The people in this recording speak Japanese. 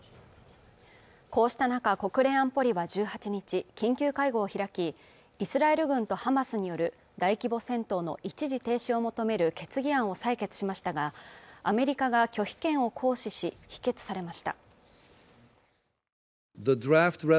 こうした中国連安保理は１８日緊急会合を開きイスラエル軍とハマスによる大規模戦闘の一時停止を求める決議案を採決しましたがアメリカが拒否権を行使し否決されました